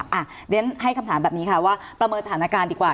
เดี๋ยวฉันให้คำถามแบบนี้ค่ะว่าประเมินสถานการณ์ดีกว่า